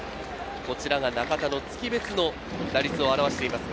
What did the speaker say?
こちらが中田の月別の打率を表しています。